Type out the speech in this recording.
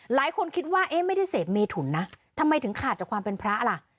หลายคนคิดว่าเอ๊ะไม่ได้เสพเมถุนนะทำไมถึงขาดจากความเป็นพระล่ะ